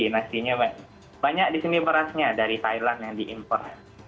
nasinya banyak di sini berasnya dari thailand yang diimpor